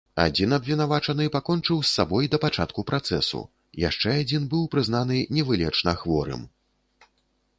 Адзін абвінавачаны пакончыў з сабой да пачатку працэсу, яшчэ адзін быў прызнаны невылечна хворым.